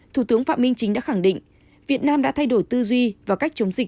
thủ tướng phạm minh chính đã khẳng định việt nam đã thay đổi tư duy và cách chống dịch